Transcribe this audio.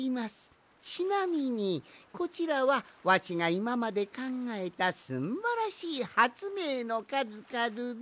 ちなみにこちらはわしがいままでかんがえたすんばらしいはつめいのかずかずで。